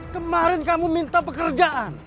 kemarin kamu minta pekerjaan